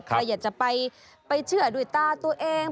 ใครอยากจะไปเชื่อด้วยตาตัวเอง